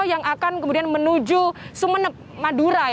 yang akan kemudian menuju sumeneb madura